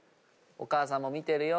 お母さんも見てるよ。